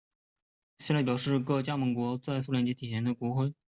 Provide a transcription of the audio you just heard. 下表列出各加盟共和国在苏联解体前所使用的国徽。